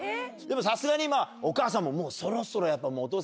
でもさすがにお母さんももうそろそろ。